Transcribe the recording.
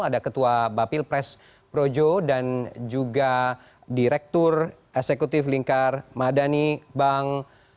ada ketua bapil pres projo dan juga direktur eksekutif lingkar madani bang